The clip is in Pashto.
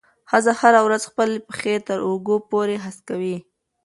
ښځه هره ورځ خپل پښې تر اوږو پورې هسکوي.